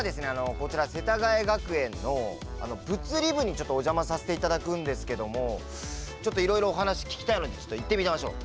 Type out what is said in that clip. こちら世田谷学園の物理部にちょっとお邪魔させて頂くんですけどもちょっといろいろお話聞きたいのでちょっと行ってみましょう。